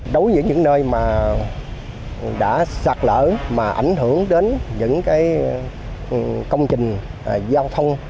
đối với những nơi mà đã sạt lỡ mà ảnh hưởng đến những công trình giao thông